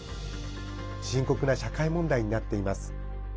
深刻な社会問題になっています。